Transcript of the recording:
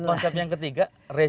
konsep yang ketiga